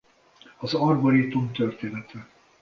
Az arborétum története